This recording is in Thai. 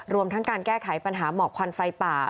รวมทั้งการแก้ไขปัญหาหมอกควันไฟป่า